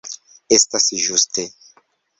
Estas ĝuste.